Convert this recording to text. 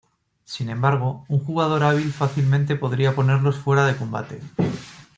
Sin embargo, un jugador hábil fácilmente podría ponerlos fuera de combate.